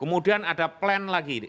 kemudian ada plan lagi